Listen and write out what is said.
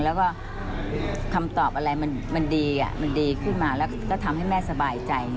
แล้วก็คำตอบอะไรมันดีมันดีขึ้นมาแล้วก็ทำให้แม่สบายใจ